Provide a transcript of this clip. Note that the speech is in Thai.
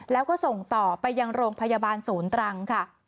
แล้วก็ส่งต่อไปยังโรงพยาบาลศูนย์ตรังค่ะ